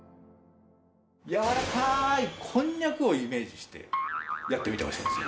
柔らかいコンニャクをイメージしてやってみてほしいんですよ。